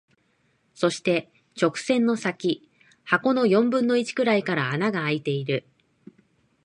そして、直線の先、箱の四分の一くらいから穴が空いている。